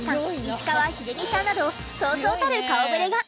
石川秀美さんなどそうそうたる顔ぶれが。